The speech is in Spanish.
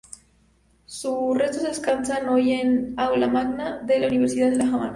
Sus restos descansan hoy en el Aula Magna de la Universidad de La Habana.